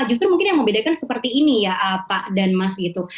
justru mungkin yang membedakan seperti ini ya pak dan mas itu